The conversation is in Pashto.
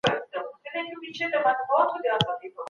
غوسه پر بل چا تشېږي.